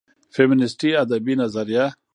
فيمينستى ادبى نظريه